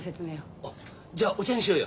あっじゃあお茶にしようよ。